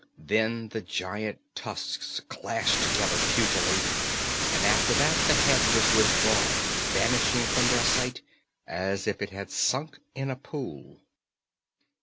Then the giant tusks clashed together futilely, and after that the head was withdrawn, vanishing from their sight as if it had sunk in a pool.